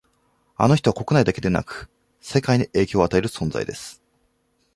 あの人は国内だけでなく世界に影響を与える存在です